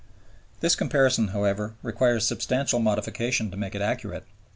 This comparison, however, requires substantial modification to make it accurate.